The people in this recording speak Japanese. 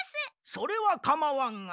それはかまわんが。